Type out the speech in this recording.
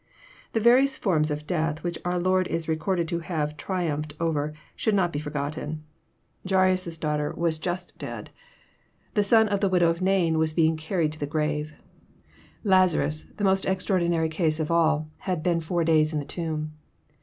The various for*ms of death which our Lord is recorded to have triumphed o rer should not be forgotten. Jairus' daughter 258 EXPOSITORY THOUGHTS. was Jnst dead ; the son of the widow of Nain was being carried to the grave ; Lazarus, the most extraordinary case of all, had been four days in the tomb.